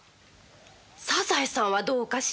「サザエさん」はどうかしら？